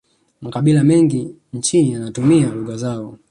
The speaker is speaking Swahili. makabila mengi nchini yanatumia lugha zao